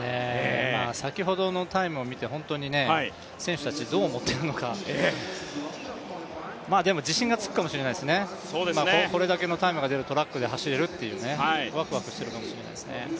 先ほどのタイムを見て、選手たちどう思っているのか自信がつくかもしれないですね、これだけのタイムが出るトラックで走れるっていうねワクワクしてるかもしれないです。